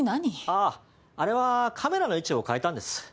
あああれはカメラの位置を変えたんです。